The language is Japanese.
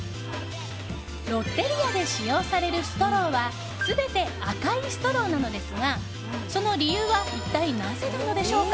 ロッテリアで使用されるストローは全て赤いストローなのですがその理由は一体なぜなのでしょうか。